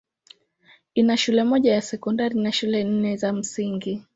Ina shule moja ya sekondari na shule nne za msingi.